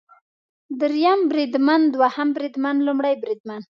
دریم بریدمن، دوهم بریدمن ، لومړی بریدمن